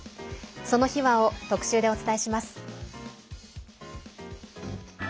その秘話を特集でお伝えします。